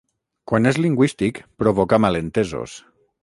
Quan és lingüístic provoca malentesos.